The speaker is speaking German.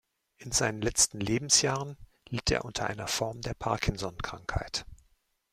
In seinen letzten Lebensjahren litt er unter einer Form der Parkinson-Krankheit.